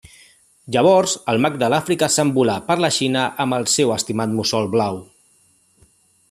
Llavors, el mag de l'Àfrica s'envola per la Xina amb el seu estimat mussol blau.